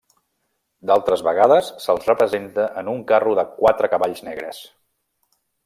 D'altres vegades se'l representa en un carro de quatre cavalls negres.